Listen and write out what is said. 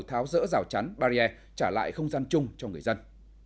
tháo rỡ rào chắn barrier trả lại không gian chung cho người dân